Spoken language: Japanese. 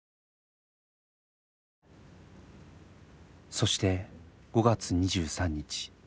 そして５月２３日。